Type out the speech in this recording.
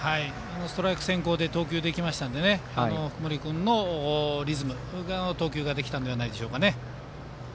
ストライク先行で投球できたので福盛君のリズムの投球ができたんじゃないですかね。